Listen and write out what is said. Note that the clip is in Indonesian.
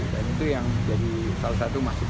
dan itu yang jadi salah satu masalah